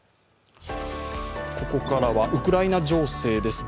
ここからはウクライナ情勢です。